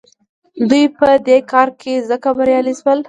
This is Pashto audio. دوی په دې کار کې ځکه بریالي شول.